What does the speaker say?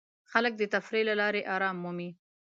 خلک د تفریح له لارې آرام مومي.